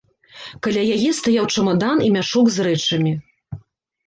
Каля яе стаяў чамадан і мяшок з рэчамі.